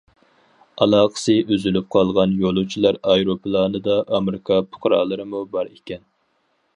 ئالاقىسى ئۈزۈلۈپ قالغان يولۇچىلار ئايروپىلانىدا ئامېرىكا پۇقرالىرىمۇ بار ئىكەن.